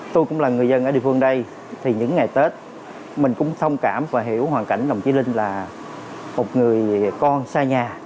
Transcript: tôi cũng là người dân ở địa phương đây thì những ngày tết mình cũng thông cảm và hiểu hoàn cảnh đồng chí linh là một người con xa nhà